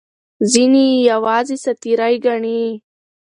ځینې یې یوازې ساعت تېرۍ ګڼي.